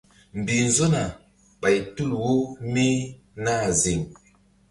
Mbih nzona ɓay tul wo mí nah ziŋ.